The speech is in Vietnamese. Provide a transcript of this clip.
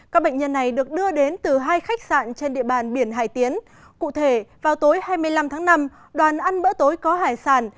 các bệnh nhân này được đưa đến từ hai khách sạn trên địa bàn biển hải tiến cụ thể vào tối hai mươi năm tháng năm đoàn ăn bữa tối có hải sản